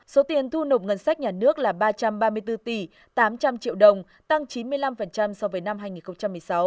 số tiền thu nộp ngân sách nhà nước là ba trăm ba mươi bốn tỷ tám trăm linh triệu đồng tăng chín mươi năm so với năm hai nghìn một mươi sáu